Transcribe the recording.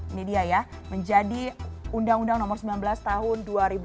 ini dia ya menjadi undang undang nomor sembilan belas tahun dua ribu sembilan belas